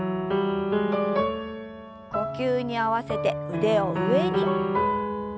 呼吸に合わせて腕を上に。